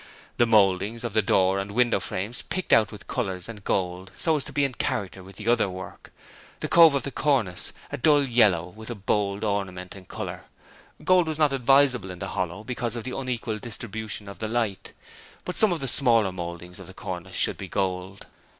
The mouldings of the door and window frames picked out with colours and gold so as to be in character with the other work; the cove of the cornice, a dull yellow with a bold ornament in colour gold was not advisable in the hollow because of the unequal distribution of the light, but some of the smaller mouldings of the cornice should be gold.